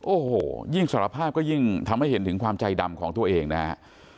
โอ้โหยิ่งสารภาพก็ยิ่งทำให้เห็นถึงความใจดำของตัวเองนะฮะ